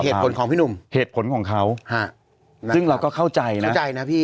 เหตุผลของพี่หนุ่มเหตุผลของเขาฮะซึ่งเราก็เข้าใจนะเข้าใจนะพี่